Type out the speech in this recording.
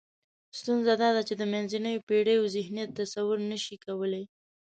ستونزه دا ده چې منځنیو پېړیو ذهنیت تصور نشي کولای.